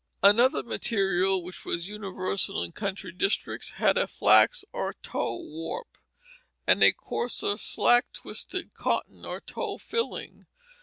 Another material which was universal in country districts had a flax or tow warp, and a coarser slack twisted cotton or tow filling.